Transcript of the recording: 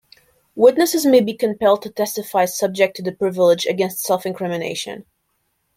Witnesses may be compelled to testify subject to the privilege against self-incrimination.